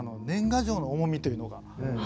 年賀状の重みというのが。